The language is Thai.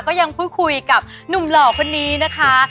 ก็ยังพูดคุยกับหนุ่มหล่อคนนี้นะคะ